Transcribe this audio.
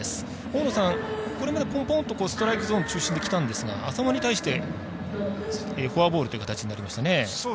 大野さん、これまでポンポンとストライクゾーン中心できたんですが淺間に対してフォアボールという形になりましたね。